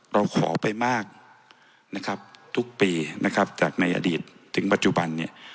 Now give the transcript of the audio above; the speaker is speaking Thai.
เราขอไปมากนะครับทุกปีนะครับจากในอดีตถึงปัจจุบันเนี่ย